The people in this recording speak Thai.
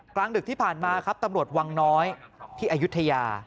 กลางดึกที่ผ่านมาครับตำรวจวังน้อยที่อายุทยา